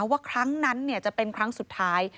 ว่าครั้งนั้นจะเป็นครั้งสุดท้าย